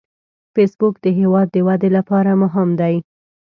فېسبوک د هیواد د ودې لپاره مهم دی